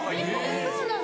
そうなの？